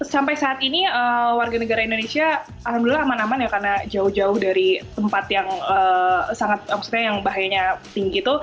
sampai saat ini warga negara indonesia alhamdulillah aman aman karena jauh jauh dari tempat yang bahayanya tinggi